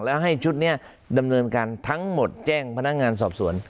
แล้วให้ชุดนี้ดำเนินการทั้งหมดแจ้งพนักงานสอบสวน